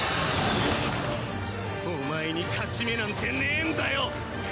お前に勝ち目なんてねえんだよ！